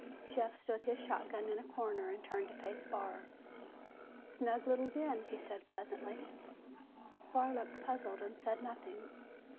Jeff stood his shotgun in a corner and turned to face Barr. "Snug little den," he said pleasantly. Barr looked puzzled and said nothing.